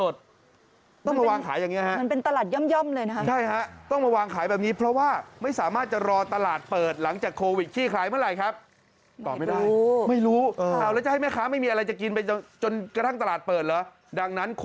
แต่ตอนนี้แม่ค้าจากตลาดสด